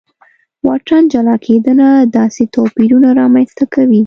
واټن جلا کېدنه داسې توپیرونه رامنځته کوي.